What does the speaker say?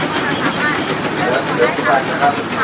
สวัสดีครับ